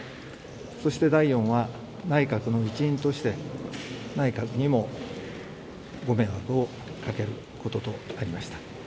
そして第４は内閣の一員として内閣にもご迷惑をかけることとなりました。